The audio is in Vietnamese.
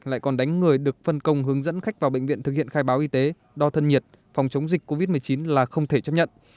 lại còn đánh người được phân công hướng dẫn khách vào bệnh viện thực hiện khai báo y tế đo thân nhiệt phòng chống dịch covid một mươi chín là không thể chấp nhận